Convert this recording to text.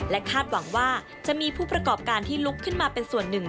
คาดหวังว่าจะมีผู้ประกอบการที่ลุกขึ้นมาเป็นส่วนหนึ่ง